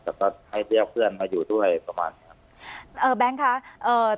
แต่ก็ให้เรียกเพื่อนมาอยู่ด้วยประมาณเนี้ยครับเอ่อแบงค์คะเอ่อ